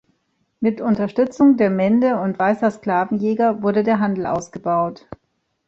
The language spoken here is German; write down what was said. Mit Unterstützung der Mende und weißer Sklavenjäger wurde der Handel ausgebaut.